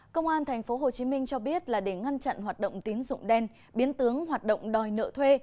công an tp hcm cho biết là để ngăn chặn hoạt động tín dụng đen biến tướng hoạt động đòi nợ thuê